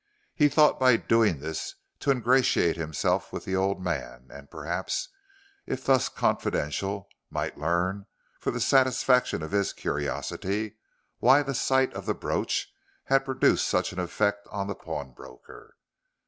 He thought by doing this to ingratiate himself with the old man, and perhaps, if thus confidential, might learn, for the satisfaction of his curiosity, why the sight of the brooch had produced such an effect on the pawnbroker.